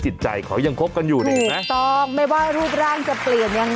หน้าตัวมันก็แผลกเลยคุณนะนะครับไม่รอตรงไหน